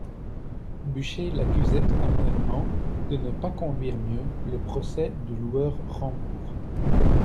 Buchez l'accusait amèrement de ne pas conduire mieux le procès du loueur Rambourg.